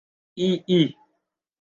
ii.